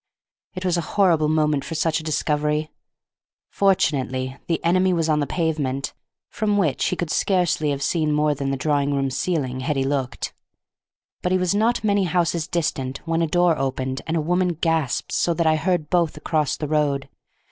It was a horrible moment for such a discovery. Fortunately the enemy was on the pavement, from which he could scarcely have seen more than the drawing room ceiling, had he looked; but he was not many houses distant when a door opened and a woman gasped so that I heard both across the road.